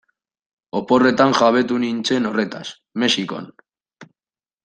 Oporretan jabetu nintzen horretaz, Mexikon.